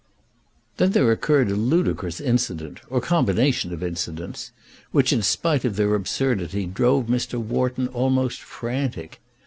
Then there occurred a ludicrous incident, or combination of incidents, which, in spite of their absurdity, drove Mr. Wharton almost frantic.